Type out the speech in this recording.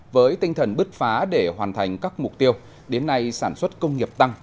với tinh thần bứt phá để hoàn thành các mục tiêu đến nay sản xuất công nghiệp tăng